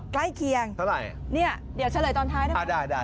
ใกล้เคียงเท่าไหร่เนี่ยเดี๋ยวเฉลยตอนท้ายได้ไหมอ่าได้ได้